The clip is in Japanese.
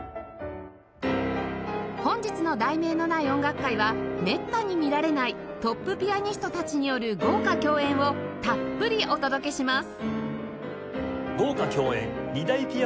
本日の『題名のない音楽会』はめったに見られないトップピアニストたちによる豪華共演をたっぷりお届けします